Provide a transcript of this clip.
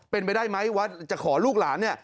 เป็นไปได้ไหมว่าจะขอลูกหลานเนี่ย